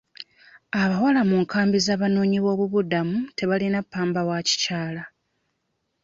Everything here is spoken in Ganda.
Abawala mu nkambi z'abanoonyiboobubuddamu tebalina ppamba wa kikyala.